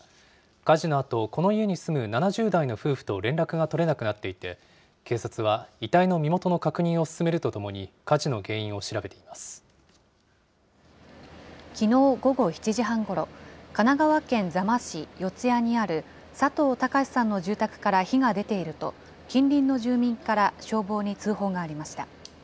火事のあとこの家に住む７０代の夫婦と連絡が取れなくなっていて、警察は遺体の身元の確認を進めるとともに火事の原因を調べていまきのう午後７時半ごろ、神奈川県座間市四ツ谷にある佐藤孝さんの住宅から火が出ていると、近隣の住民から消防に通報がありました。